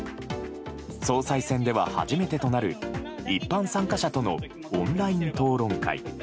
総裁選では初めてとなる一般参加者とのオンライン討論会。